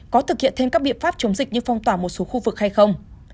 có thực hiện thêm các biện pháp chống dịch như phong tỏa một số khu vực hay không